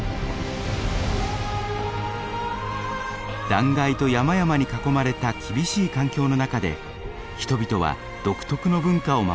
断崖と山々に囲まれた厳しい環境の中で人々は独特の文化を守ってきました。